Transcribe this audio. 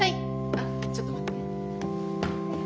あっちょっと待ってね。